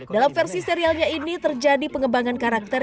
dalam versi serialnya ini terjadi pengembangan karakter